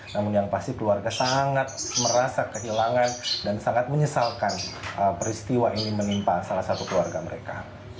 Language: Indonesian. namun yang pasti keluarga sangat merasa kehilangan dan sangat menyesalkan peristiwa ini menimpa salah satu keluarga mereka